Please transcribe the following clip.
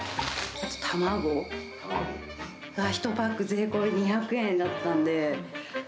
あと卵が１パック税込２００円だったんで。